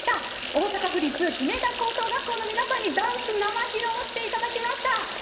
大阪府立久米田高校学校の皆さんにダンス、生披露していただきました。